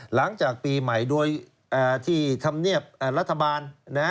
หลังจากปีใหม่โดยที่ธรรมเนียบรัฐบาล